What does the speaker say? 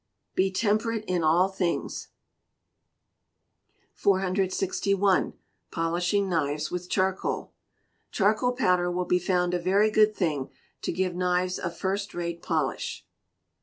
[BE TEMPERATE IN ALL THINGS.] 461. Polishing Knives with Charcoal. Charcoal Powder will be found a very good thing to give knives a first rate polish.